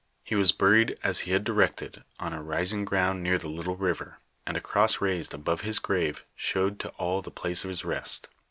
He was buried as he had directed on a rising ground near the little river, and a cross raised above his grave showed to all the place of his rest.